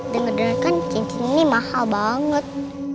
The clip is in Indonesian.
denger dengarkan cincin ini mahal banget